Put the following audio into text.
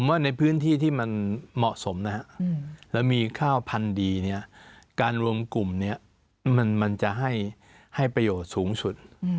ว่าในพื้นที่ที่มันเหมาะสมนะฮะแล้วมีข้าวพันธุ์ดีเนี่ยการรวมกลุ่มเนี่ยมันจะให้ประโยชน์สูงสุด